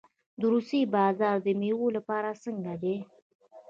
د روسیې بازار د میوو لپاره څنګه دی؟